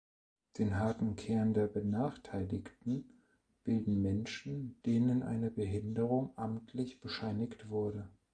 Den harten Kern der „Benachteiligten“ bilden Menschen, denen eine Behinderung amtlich bescheinigt wurde.